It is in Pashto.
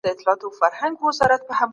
پشوګاني به قصاب حلالولای